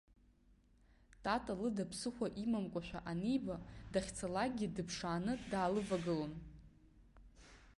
Тата лыда ԥсыхәа имамкәашәа аниба, дахьцалакгьы дыԥшааны даалывагылон.